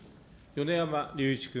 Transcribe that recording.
米山隆一君。